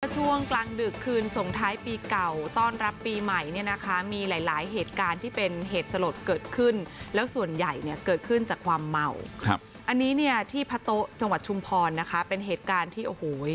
ช่วงกลางดึกคืนส่งท้ายปีเก่าต้อนรับปีใหม่เนี่ยนะคะมีหลายหลายเหตุการณ์ที่เป็นเหตุสลดเกิดขึ้นแล้วส่วนใหญ่เนี่ยเกิดขึ้นจากความเมาครับอันนี้เนี่ยที่พระโต๊ะจังหวัดชุมพรนะคะเป็นเหตุการณ์ที่โอ้โห